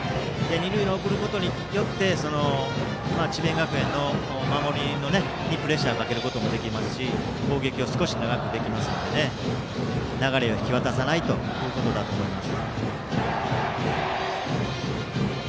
二塁に送ることによって智弁学園の守りにプレッシャーをかけることもできて攻撃を少し長くできますので流れを引き渡さないということだと思います。